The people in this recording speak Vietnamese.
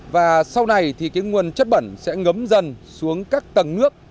và sau này thì cái nguồn chất bẩn sẽ ngấm dần xuống các tầng nước